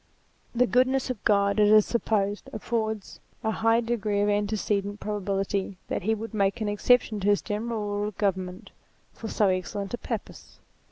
The goodness of God, it is supposed, affords a high degree of antecedent probability that he would make an exception to his general rule of govern ment, for so excellent a purpose.